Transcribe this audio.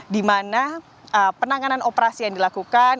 dimana penanganan operasi yang dilakukan